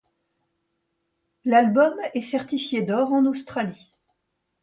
L'album est certifié d'or en Australie.